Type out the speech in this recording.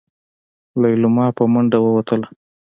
ليلما په منډه ووتله.